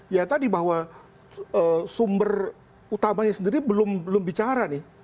ya tadi bahwa sumber utamanya sendiri belum bicara nih